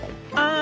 あ！